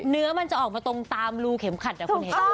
เนื้อมันจะออกมาตรงตามรูเข็มขัดคุณเห็นไหม